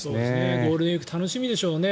ゴールデンウィーク楽しみでしょうね。